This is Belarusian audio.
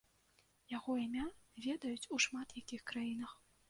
Яго імя ведаюць у шмат якіх краінах.